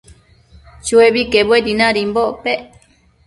Chuebi quebuedi nadimbocpec